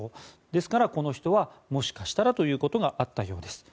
ですからこの人は、もしかしたらということがあったようです。